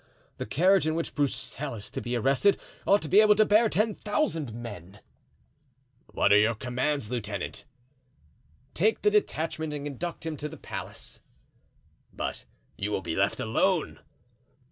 The carriage in which a Broussel is to be arrested ought to be able to bear ten thousand men." "What are your commands, lieutenant?" "Take the detachment and conduct him to his place." "But you will be left alone?"